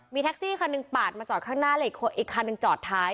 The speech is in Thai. มีแท็กซี่คันหนึ่งปาดมาจอดข้างหน้าเลยอีกคันหนึ่งจอดท้าย